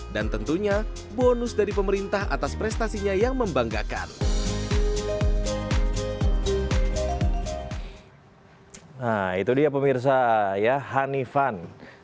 dan tentunya bonus dari pemerintah atas prestasinya yang membanggakan